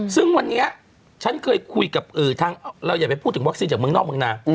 ซึ่งวันนี้ฉันเคยคุยกับทางเราอย่าไปพูดถึงวัคซีนจากเมืองนอกเมืองนา